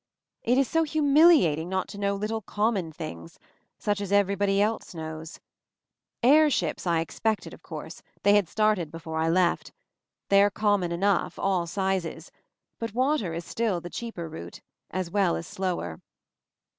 It is so humiliating not to know little common things such as every body else knows. Air ships I expected, of course ; they had started before I left. They are common enough, all sizes. But water is still the cheaper route — as weU as slower.